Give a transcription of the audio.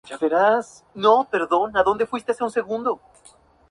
Con frecuencia, se incluye una franja dorada alrededor de los bordes de la bandera.